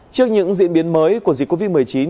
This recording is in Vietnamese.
trước những diễn biến mới của dịch covid một mươi chín